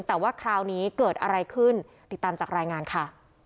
แต่ว่าคราวนี้เกิดอะไรขึ้นติดตามจากรายงานค่ะ